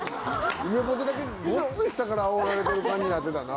ゆめぽてだけごっつい下からあおられてる感じになってたな。